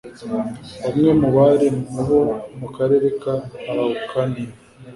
Bamwe mu barimu bo mu karere ka Araucanía